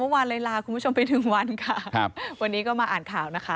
เมื่อวานเลยลาคุณผู้ชมไปถึงวันค่ะครับวันนี้ก็มาอ่านข่าวนะคะ